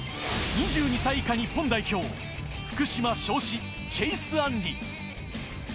２２歳以下日本代表、福島・尚志、チェイス・アンリ。